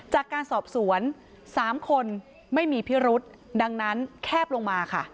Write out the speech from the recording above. จากการสอบสวน๓คนไม่มีพิรุษดังนั้นแคบลงมาค่ะ